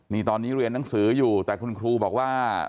นี่ตอนนี้เรียนหนังสืออยู่แต่คุณครูบอกว่า